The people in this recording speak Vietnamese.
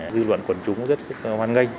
dư luận quần chúng rất là hoan nghênh